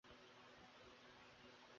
সবসময় এমন কঠিন ভাব করে থাকবেন না।